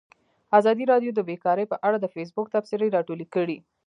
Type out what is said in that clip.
ازادي راډیو د بیکاري په اړه د فیسبوک تبصرې راټولې کړي.